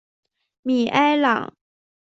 米埃朗。